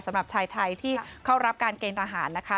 สำหรับชายไทยที่เข้ารับการเกณฑหารนะคะ